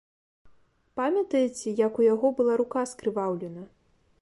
Памятаеце, як у яго была рука скрываўлена?